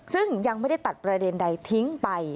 ซึ่งยังไม่ได้ตัดประเด็นใดทิ้งไป